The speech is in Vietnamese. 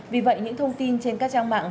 vì vậy những thông tin trên các trang mạng